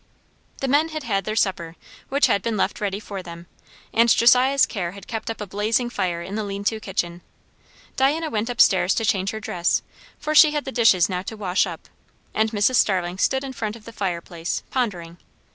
The men had had their supper, which had been left ready for them; and Josiah's care had kept up a blazing fire in the lean to kitchen. Diana went up stairs to change her dress, for she had the dishes now to wash up; and Mrs. Starling stood in front of the fire place, pondering.